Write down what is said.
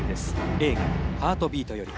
映画『ハートビート』より。